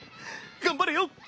頑張れよ！